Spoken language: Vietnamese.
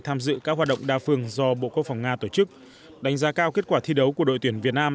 tham dự các hoạt động đa phương do bộ quốc phòng nga tổ chức đánh giá cao kết quả thi đấu của đội tuyển việt nam